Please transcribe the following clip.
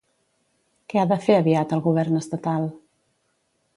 Què ha de fer aviat el Govern estatal?